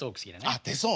あっそう？